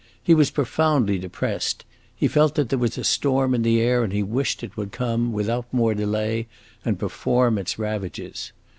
He was profoundly depressed; he felt that there was a storm in the air, and he wished it would come, without more delay, and perform its ravages.